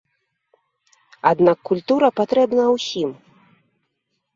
Аднак культура патрэбна ўсім.